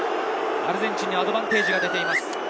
アルゼンチンにアドバンテージが出ています。